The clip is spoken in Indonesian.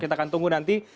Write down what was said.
kita akan tunggu nanti